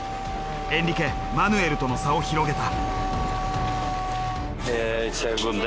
エンリケマヌエルとの差を広げた。